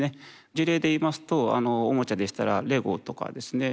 事例でいいますとおもちゃでしたらレゴとかですね